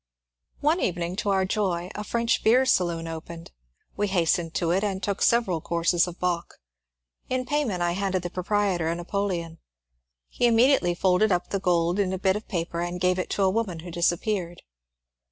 One evening, to our joy, a French beer saloon opened. We hastened to it and took several courses of bock. In payment I handed the proprietor a napoleon. He immediately folded up the gold in a bit of paper and gave it to a woman who dis appeared.